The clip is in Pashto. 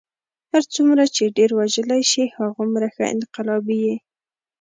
هر څومره چې ډېر وژلی شې هغومره ښه انقلابي یې.